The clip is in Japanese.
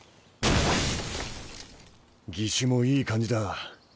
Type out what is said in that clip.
義手もいい感じだ。